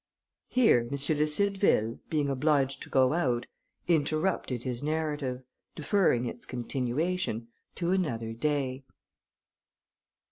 Here M. de Cideville, being obliged to go out, interrupted his narrative, deferring its continuation to another day.